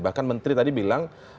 bahkan menteri tadi bilang